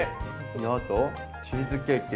であとチーズケーキ。